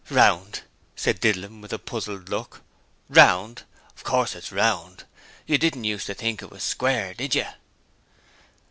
'Round?' said Didlum with a puzzled look. 'Round? Of course it's round! You didn't used to think it was square, did yer?'